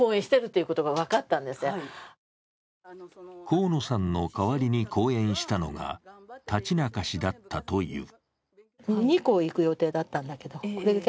河野さんの代わりに講演したのが、立中氏だったという。